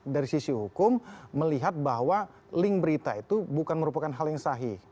dari sisi hukum melihat bahwa link berita itu bukan merupakan hal yang sahih